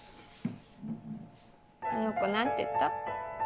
あの子何て言った？